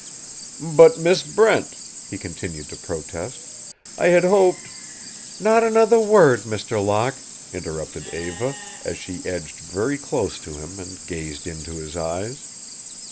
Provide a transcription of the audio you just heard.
"But, Miss Brent," he continued to protest, "I had hoped " "Not another word, Mr. Locke," interrupted Eva, as she edged very close to him and gazed into his eyes.